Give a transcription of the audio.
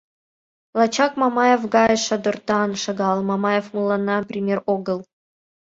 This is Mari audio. Лачак Мамаев гай шадыртан шагал, Мамаев мыланна пример огыл.